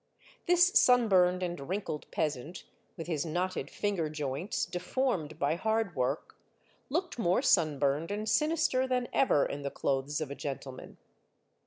This sunburned and wrinkled peasant, with his knotted finger joints, deformed by hard work, looked more sunburned and sinister than ever, in the clothes of a gentleman.